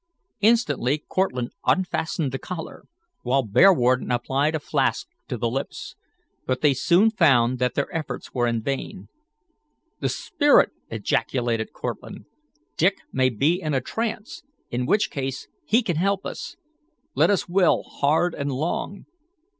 Instantly Cortlandt unfastened the collar, while Bearwarden applied a flask to the lips. But they soon found that their efforts were vain. "The spirit!" ejaculated Cortlandt. "Dick may be in a trance, in which case he can help us. Let us will hard and long."